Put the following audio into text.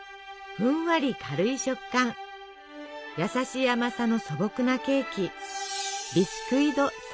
ふんわり軽い食感やさしい甘さの素朴なケーキ。